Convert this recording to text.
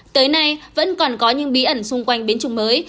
tới nay vẫn còn có những bí ẩn xung quanh biến chủng mới